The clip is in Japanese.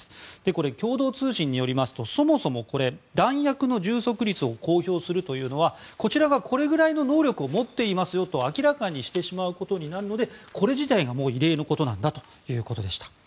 これ、共同通信によりますとそもそも弾薬の充足率を公表するというのはこちらがこれくらいの能力を持っていますよと明らかにしてしまうことになるのでこれ自体がもう異例のことなんだということです。